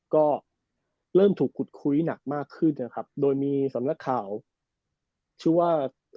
ก็เริ่มถูกขุดคุยหนักมากขึ้นนะครับโดยมีสำนักข่าวชื่อว่า